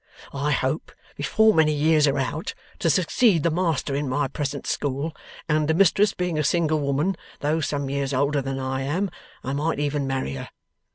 I hope, before many years are out, to succeed the master in my present school, and the mistress being a single woman, though some years older than I am, I might even marry her.